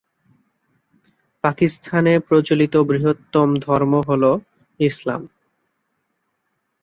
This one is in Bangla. পাকিস্তানে প্রচলিত বৃহত্তম ধর্ম হল ইসলাম।